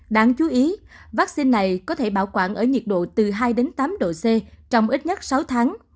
đáng chú ý vaccine này có thể bảo quản ở nhiệt độ từ hai tám độ c trong ít nhất sáu tháng